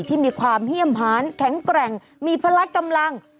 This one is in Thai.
ที่มีความเยี่ยมหานแข็งแกร่งมีพละกำลัง